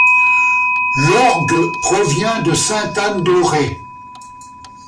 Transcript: L'orgue provient de Sainte-Anne d'Auray.